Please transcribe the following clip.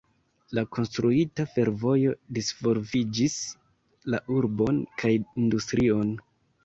La konstruita fervojo disvolviĝis la urbon kaj industrion.